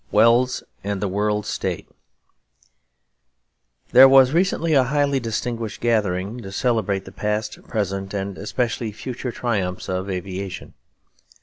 Wells and the World State There was recently a highly distinguished gathering to celebrate the past, present, and especially future triumphs of aviation.